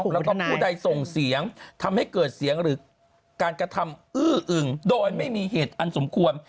แล้วก็ผู้ใดส่งเสียงทำให้เกิดเสียงหรือการกระทำอื้ออึงโดยไม่มีเหตุอันสมควร